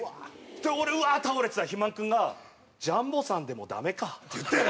俺うわー！って倒れてたら肥満君が「ジャンボさんでもダメか」って言って。